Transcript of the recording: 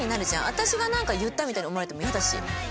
私がなんか言ったみたいに思われても嫌だし。